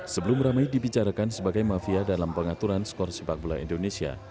sebelum ramai dibicarakan sebagai mafia dalam pengaturan skor sepak bola indonesia